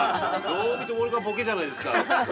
どう見ても俺がボケじゃないですか。